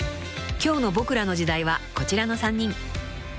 ［今日の『ボクらの時代』はこちらの３人］